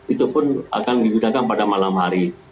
itu pun akan digunakan pada malam hari